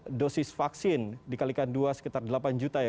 untuk dosis vaksin dikalikan dua sekitar delapan juta ya